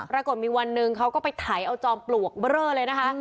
ละกดมีวันหนึ่งเขาก็ไปถ่ายเอาจอมปล่วงเบรอเลยนะคะ